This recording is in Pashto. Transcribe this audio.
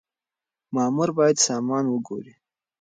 مامور بايد سامان وګوري.